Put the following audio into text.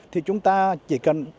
một trăm linh thì chúng ta chỉ cần